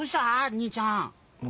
兄ちゃん。